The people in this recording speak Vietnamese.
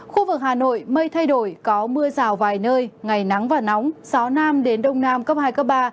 khu vực hà nội mây thay đổi có mưa rào vài nơi ngày nắng và nóng gió nam đến đông nam cấp hai cấp ba